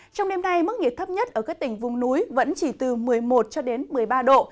trong đêm nay mức nhiệt thấp nhất ở các tỉnh vùng núi vẫn chỉ từ một mươi một cho đến một mươi ba độ